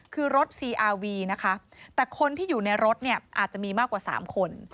คือรถซีอาวีนะคะแต่คนที่อยู่ในรถเนี่ยอาจจะมีมากกว่า๓คน